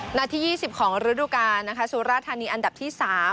หน้าที่ยี่สิบของฤดุกานะคะสุราธารณีอันดับที่สาม